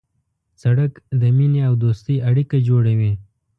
سړک د مینې او دوستۍ اړیکه جوړوي.